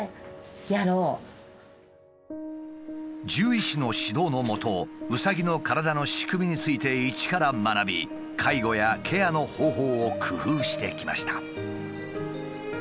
獣医師の指導のもとうさぎの体の仕組みについて一から学び介護やケアの方法を工夫してきました。